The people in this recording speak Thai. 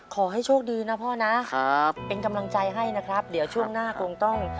ขอให้โชคดีนะพ่อนะครับเป็นกำลังใจให้นะครับเดี๋ยวช่วงหน้าคงต้อง